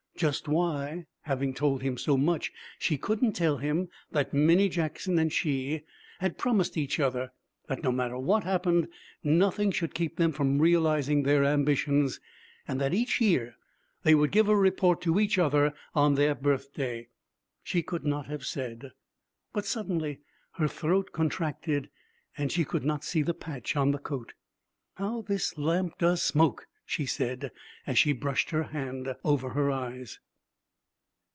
Just why, having told him so much, she couldn't tell him that Minnie Jackson and she had promised each other that, no matter what happened, nothing should keep them from realizing their ambitions, and that each year they would give a report to each other on their birthday, she could not have said. But suddenly her throat contracted and she could not see the patch on the coat. 'How this lamp does smoke!' she said, as she brushed her hand over her eyes.